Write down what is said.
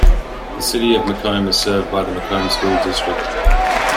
The City of McComb is served by the McComb School District.